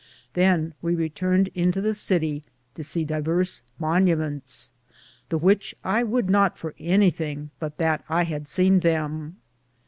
Than we returned into the Cittie to see Diverse monymentes, the which I would not for anything but that I had sene them.